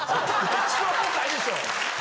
一番おもんないでしょ！